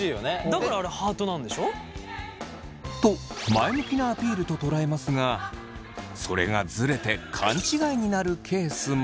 だからあれハートなんでしょ？と前向きなアピールと捉えますがそれがズレて勘違いになるケースも。